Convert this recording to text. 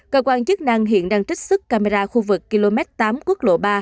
cơ quan chức năng hiện đang trích sức camera khu vực km tám quốc lộ ba